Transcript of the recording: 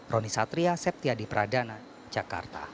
roni satria septiadi pradana jakarta